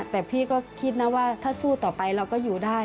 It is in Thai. แต่พี่ก็คิดนะว่าถ้าสู้ต่อไปเราก็อยู่ได้